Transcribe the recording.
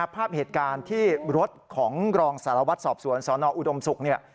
ภาพเหตุการณ์ที่รถของรองสารวัตรสอบสวนสนอุดมศุกร์เนี่ย